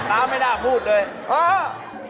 ถ้าเป็นปากถ้าเป็นปาก